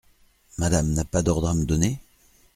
Madame n’a pas d’ordres à me donner ?